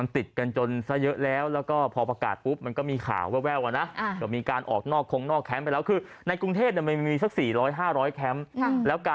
มันจะทันหรือเปล่า